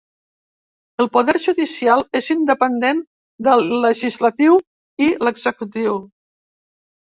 El poder judicial és independent del legislatiu i l'executiu.